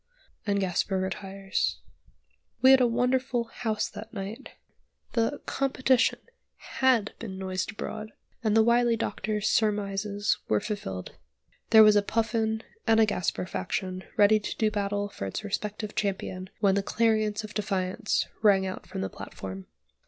And Gasper retires. We had a wonderful "house" that night. The "competition" had been noised abroad, and the wily doctor's surmises were fulfilled. There was a Puffin and a Gasper faction ready to do battle for its respective champion when the clarion of defiance rang out from the platform.